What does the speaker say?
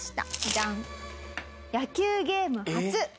ジャン。